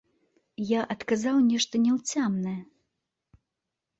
Я адказаў нешта няўцямнае.